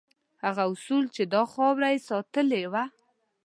هغه اصول چې دا خاوره یې ساتلې وه.